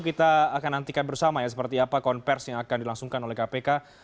kita akan nantikan bersama ya seperti apa konversi yang akan dilangsungkan oleh kpk